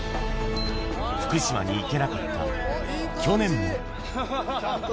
福島に行けなかった去年も。